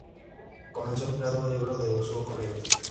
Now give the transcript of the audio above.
Comenzó empleando un libro de uso corriente.